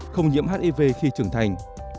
không nhiễm hiv khi trưởng thành